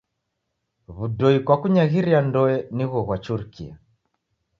W'udoi kwa kunyaghiria ndoe nigho ghwachurikia.